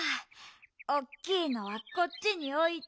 おっきいのはこっちにおいて。